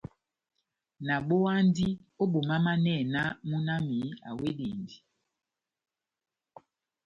Nabowandi o bomamanɛhɛ nah muna wami awedindi.